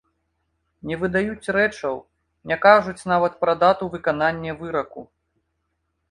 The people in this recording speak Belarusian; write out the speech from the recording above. Не выдаюць рэчаў, не кажуць нават пра дату выканання выраку.